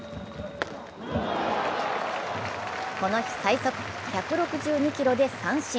この日最速、１６２キロで三振。